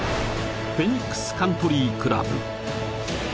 フェニックスカントリークラブ。